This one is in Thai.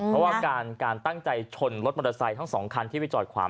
เพราะว่าการตั้งใจชนรถมอเตอร์ไซค์ทั้งสองคันที่ไปจอดขวาง